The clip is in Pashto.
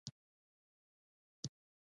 مکتوب پرانیست.